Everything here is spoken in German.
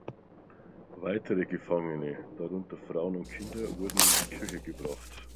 Weitere Gefangene, darunter Frauen und Kinder wurden in die Kirche gebracht.